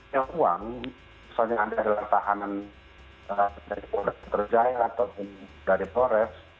ya kalau kita punya uang misalnya anda ada pertahanan dari kode terjaya atau dari forex